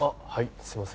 すいません